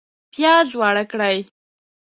پیاز واړه کړئ